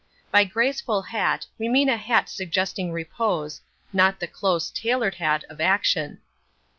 By graceful hat we mean a hat suggesting repose, not the close, tailored hat of action.